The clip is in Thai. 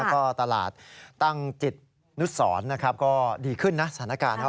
แล้วก็ตลาดตั้งจิตนุสรนะครับก็ดีขึ้นนะสถานการณ์